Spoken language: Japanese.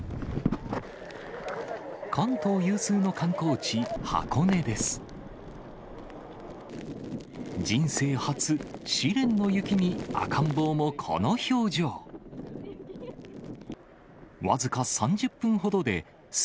関東有数の観光地、箱根です。